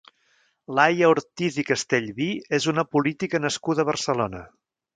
Laia Ortiz i Castellví és una política nascuda a Barcelona.